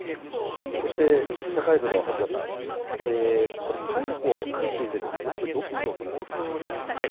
社会部の初田さん、逮捕についてですがどこで行われるのでしょうか。